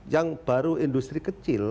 yang baru industri kecil